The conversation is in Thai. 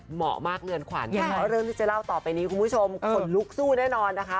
เหมาะมากเนื้อนขวานนะครับนะครับเราเริ่มที่จะเล่าต่อไปนี้คุณผู้ชมขนลุกสู้แน่นอนนะคะ